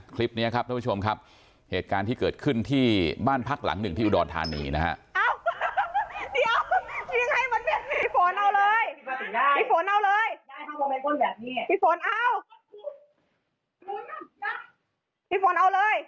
คลิปนี้ครับท่านผู้ชมครับเหตุการณ์ที่เกิดขึ้นที่บ้านพักหลังหนึ่งที่อุดรธานีนะฮะ